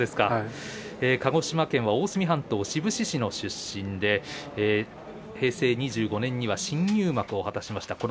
鹿児島県は大隈半島志布志市の出身で、平成２５年には新入幕を果たしました。